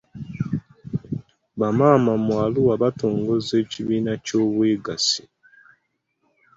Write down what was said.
Bamaama mu Arua baatongozza ekibiina ky'obwegassi.